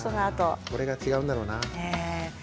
これが違うんだろうな。